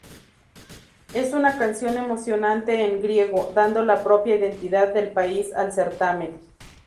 Es una canción emocionante en griego, dando la propia identidad del país al certamen.